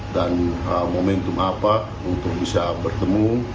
dan momentum apa untuk bisa bertemu